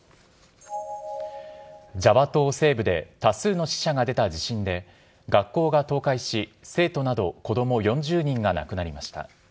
ジャワ島西部で多数の死者が出た地震で、学校が倒壊し、生徒など子ども４０人が亡くなりました。